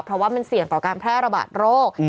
เพราะว่ามันเสี่ยงต่อการแพร่ระบาดโรค